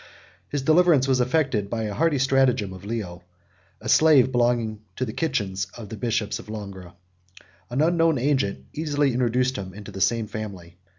His deliverance was effected by the hardy stratagem of Leo, a slave belonging to the kitchens of the bishop of Langres. 108 An unknown agent easily introduced him into the same family.